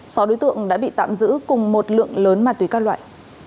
sáu đối tượng đã bị tạm giữ cùng một lượng lớn ma túy các loại